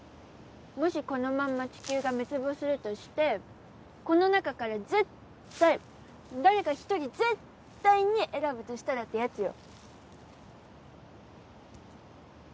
もしこのまんま地球が滅亡するとしてこの中から絶対誰か１人絶対に選ぶとしたらってやつよ